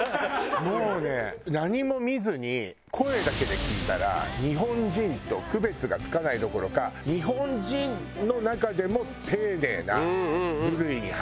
もうね何も見ずに声だけで聞いたら日本人と区別がつかないどころか日本人の中でも丁寧な部類に入る。